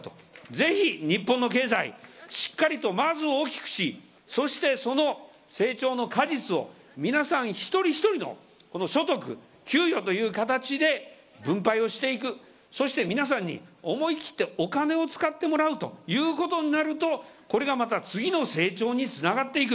ぜひ日本の経済をしっかりとまず大きくし、そしてその成長の果実を、皆さん１人１人のこの所得、給与という形で分配をしていく、そして皆さんに思い切ってお金を使ってもらうということになると、これがまた次の成長につながっていく。